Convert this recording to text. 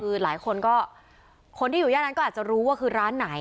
คือหลายคนก็คนที่อยู่ย่านนั้นก็อาจจะรู้ว่าคือร้านไหน